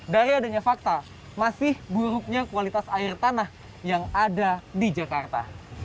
dari adanya fakta masih buruknya kualitas air tanah yang ada di jakarta